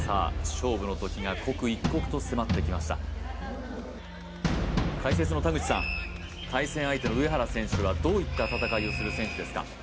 勝負の時が刻一刻と迫ってきました解説の田口さん対戦相手の上原選手はどういった戦いをする選手ですか？